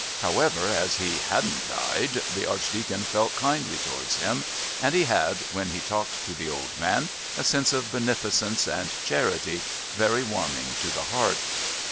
However, as he hadn't died the Archdeacon felt kindly towards him, and he had, when he talked to the old man, a sense of beneficence and charity very warming to the heart.